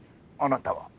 あなたは？